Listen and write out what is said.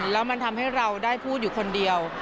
แล้วมันทำให้เราได้พูดอยู่คนเดียว